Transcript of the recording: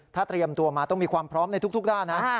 ถ้าเตรียมตัวมาต้องมีความพร้อมในทุกด้านนะ